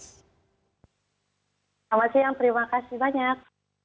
selamat siang terima kasih banyak